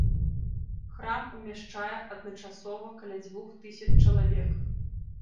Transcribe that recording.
Храм умяшчае адначасова каля дзвюх тысяч чалавек.